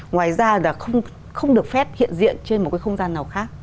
ngoài ra là không được phép hiện diện trên một cái không gian nào khác